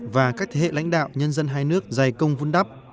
và các thế hệ lãnh đạo nhân dân hai nước dày công vun đắp